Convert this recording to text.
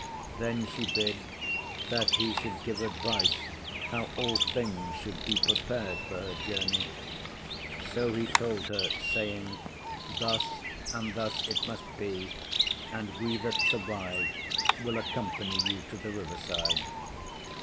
Then she bid that he should give advice how all things should be prepared for her journey. So he told her, saying, Thus and thus it must be, and we that survive will accompany you to the river side.